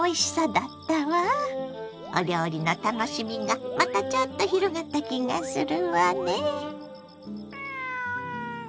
お料理の楽しみがまたちょっと広がった気がするわね。